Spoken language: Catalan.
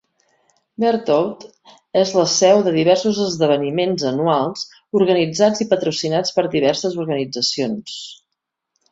Berthoud és la seu de diversos esdeveniments anuals organitzats i patrocinats per diverses organitzacions.